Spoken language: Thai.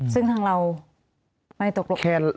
ซึ่งทางเราไม่ตกลงแทน